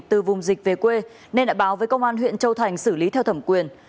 từ vùng dịch về quê nên đã báo với công an huyện châu thành xử lý theo thẩm quyền